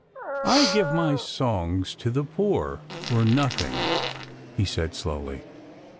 " I give my songs to the poor for nothing," he said slowly.